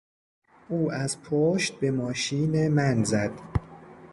او از پشت به ماشین من زد.